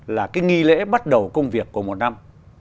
là cái nghi lễ bắt đầu công việc của một năm